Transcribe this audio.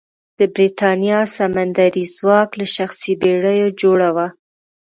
د برېتانیا سمندري ځواک له شخصي بېړیو جوړه وه.